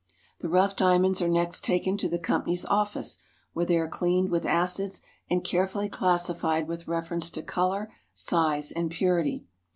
The rough diamonds are next takea to the company's office, where they are cleaned with acids and carefully classified with reference to color, size, and purity.